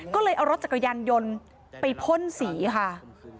ก็เลยเอารถจักรยานยนต์ไปพ่นสีค่ะ